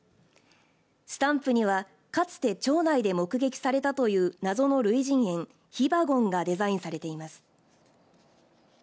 スタンプにはかつて町内で目撃されたという謎の類人猿ヒバゴンがデザインされています。